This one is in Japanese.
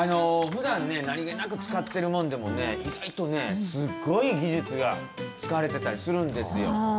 ふだん、何気なく使ってるものでもね、意外とね、すっごい技術が使われてたりするんですよ。